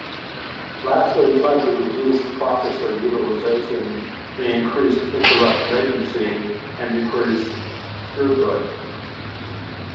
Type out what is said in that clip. Lastly, trying to reduce processor utilization may increase interrupt latency and decrease throughput.